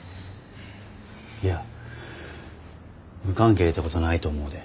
いや無関係てことないと思うで。